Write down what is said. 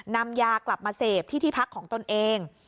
นำยากลับมาเสพที่ที่พักของตนเอง